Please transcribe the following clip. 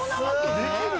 できるの？